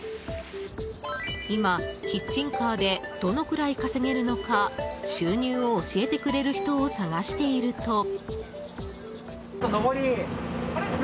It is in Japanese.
今、キッチンカーでどのくらい稼げるのか収入を教えてくれる人を探していると。